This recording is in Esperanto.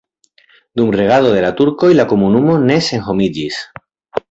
Dum regado de la turkoj la komunumo ne senhomiĝis.